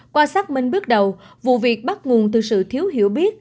qua xác minh bước đầu vụ việc bắt nguồn từ sự thiếu hiểu biết